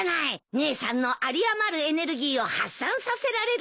姉さんの有り余るエネルギーを発散させられるよ。